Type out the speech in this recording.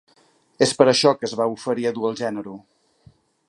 Es per això que es va oferir a dur el gènero